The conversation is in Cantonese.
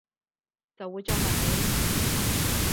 就會再問你